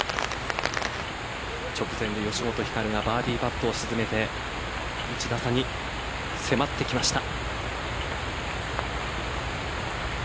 直前に吉本ひかるがバーディーパットを沈めて１打差に迫ってきました。